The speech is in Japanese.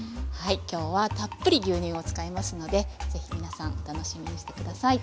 今日はたっぷり牛乳を使いますので是非皆さんお楽しみにして下さい。